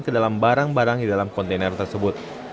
ke dalam barang barang di dalam kontainer tersebut